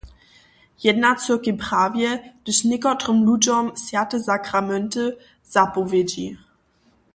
Jedna cyrkej prawje, hdyž někotrym ludźom swjate sakramenty zapowědźi?